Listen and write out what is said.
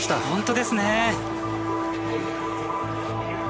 本当ですね。